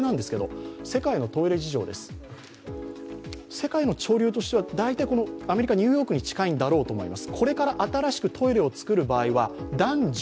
世界の潮流としてはアメリカニューヨークに近いんだと思います。